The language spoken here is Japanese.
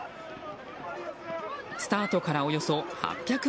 スタートからおよそ８００ｍ。